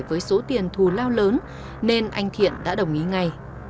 với số tiền thù lao lớn nên anh thiện đã đồng ý ngay